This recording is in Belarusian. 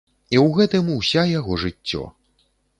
І ў гэтым уся яго жыццё.